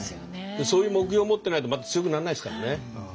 そういう目標を持ってないとまた強くなんないですからね。